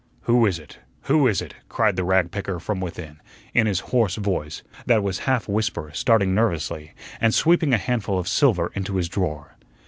"Who is it? Who is it?" cried the rag picker from within, in his hoarse voice, that was half whisper, starting nervously, and sweeping a handful of silver into his drawer.